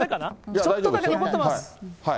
ちょっとだけ残ってます。